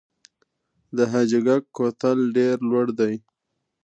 د حاجي ګک کوتل ډیر لوړ دی